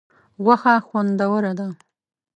غوښه خوندوره ده.